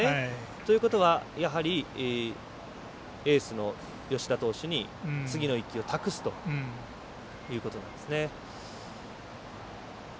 ということはやはりエースの吉田投手に次の１球を託すということなんですね。